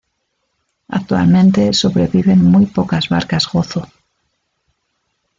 Actualmente sobreviven muy pocas barcas Gozo.